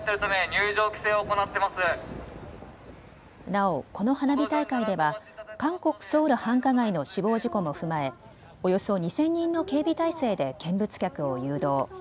なお、この花火大会では韓国・ソウル、繁華街の死亡事故も踏まえおよそ２０００人の警備体制で見物客を誘導。